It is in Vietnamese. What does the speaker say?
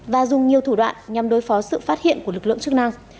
và dùng nhiều thủ đoạn nhằm đối phó sự phát hiện của lực lượng chức năng